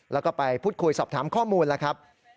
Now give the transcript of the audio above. แล้วก็ไปพูดคุยสอบถามข้อมูลแล้วครับ